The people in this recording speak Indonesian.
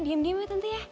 diem diem ya tante ya